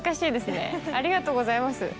ありがとうございます。